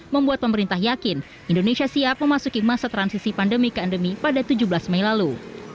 membuat pemerintah yakin indonesia siap memasuki masa transisi pandemi ke endemi pada tujuh belas mei lalu